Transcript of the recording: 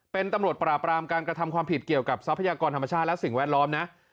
เป็นตำรวจปราบรามการกระทำความผิดเกี่ยวกับทรัพยากรธรรมชาติและสิ่งแวดล้อมนะ